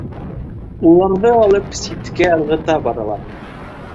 Уларҙы алып ситкә ырғыта баралар.